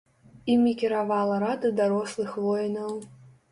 Імі кіравала рада дарослых воінаў.